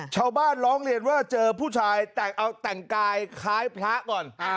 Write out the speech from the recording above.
ชาวบ้านร้องเรียนว่าเจอผู้ชายแต่งกายคล้ายพระก่อน